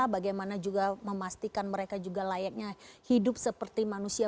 bagaimana juga memastikan mereka juga layaknya hidup seperti manusia